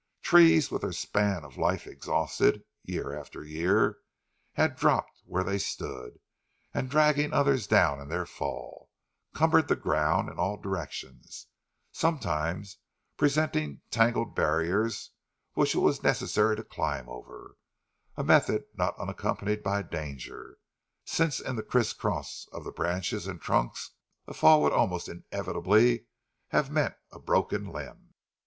Trees, with their span of life exhausted, year after year, had dropped where they stood, and dragging others down in their fall, cumbered the ground in all directions, sometimes presenting tangled barriers which it was necessary to climb over, a method not unaccompanied by danger, since in the criss cross of the branches and trunks a fall would almost inevitably have meant a broken limb.